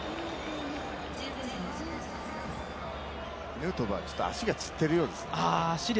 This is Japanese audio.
ヌートバー、足がつってるようですね。